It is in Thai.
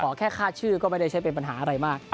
ขอแค่ค่าชื่อก็ไม่ได้ใช้เป็นปัญหาอะไรมาก